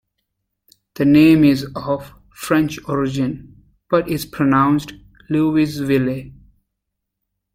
The name is of French origin, but is pronounced Lewis-ville.